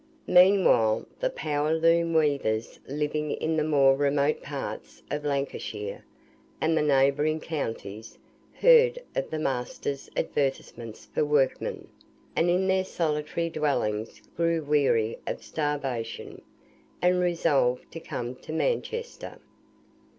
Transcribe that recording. Meanwhile, the power loom weavers living in the more remote parts of Lancashire, and the neighbouring counties, heard of the masters' advertisements for workmen; and in their solitary dwellings grew weary of starvation, and resolved to come to Manchester.